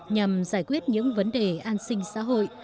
nhằm giải quyết những vấn đề an sinh xã hội